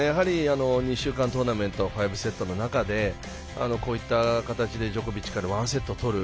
２週間トーナメント５セットの中でこういった形でジョコビッチから１セットを取る。